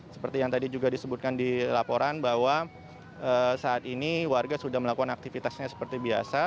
seperti yang tadi juga disebutkan di laporan bahwa saat ini warga sudah melakukan aktivitasnya seperti biasa